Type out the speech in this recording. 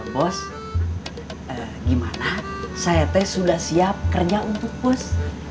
bos gimana saya teh sudah siap kerja untuk bos